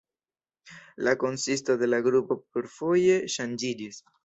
La konsisto de la grupo plurfoje ŝanĝiĝis.